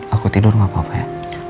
aku tidur gak apa apa ya